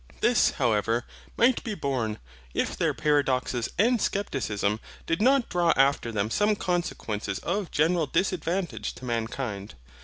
This however might be borne, if their paradoxes and scepticism did not draw after them some consequences of general disadvantage to mankind.